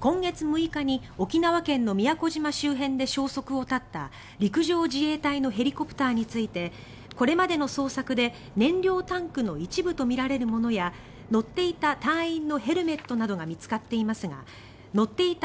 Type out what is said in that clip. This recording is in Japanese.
今月６日に沖縄県の宮古島周辺で消息を絶った、陸上自衛隊のヘリコプターについてこれまでの捜索で燃料タンクの一部とみられるものや乗っていた隊員のヘルメットなどが見つかっていますが乗っていた